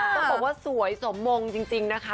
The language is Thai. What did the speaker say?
ต้องบอกว่าสวยสมมงจริงนะคะ